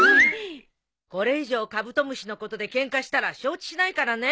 これ以上カブトムシのことでケンカしたら承知しないからね。